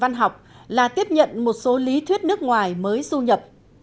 phê bình văn học là tiếp nhận một số lý thuyết nước ngoài mới xu nhập